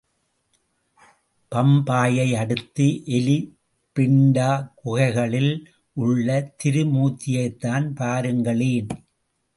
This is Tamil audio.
பம்பாயை அடுத்த எலிபெண்டா குகைகளில் உள்ள திரிமூர்த்தியைத்தான் பாருங்களேன்.